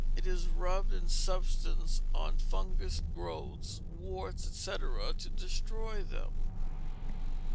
It is rubbed in substance on fungous growths, warts, &c., to destroy them.